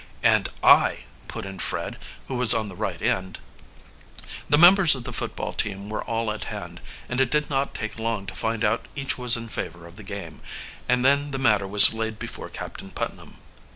"And I," put in Fred, who was on the right end. The members of the football team were all at hand, and it did not take long to find out each was in favor of the game, and then the matter was laid before Captain Putnam.